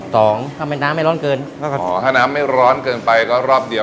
สองถ้าเป็นน้ำไม่ร้อนเกินอ๋อถ้าน้ำไม่ร้อนเกินไปก็รอบเดียว